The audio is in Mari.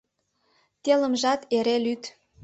Телымжат эре лӱд